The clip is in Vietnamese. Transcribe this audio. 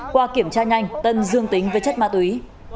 qua kiểm tra nhanh tân dương tính với chất ma túy